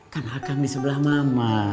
kan akan di sebelah mama